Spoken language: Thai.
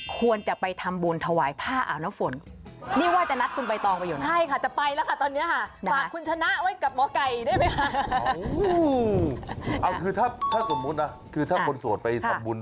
ครับทำไหนดี